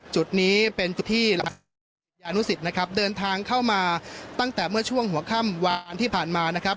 จุดนี้เป็นจุดที่ศิษยานุสิตนะครับเดินทางเข้ามาตั้งแต่เมื่อช่วงหัวค่ำวานที่ผ่านมานะครับ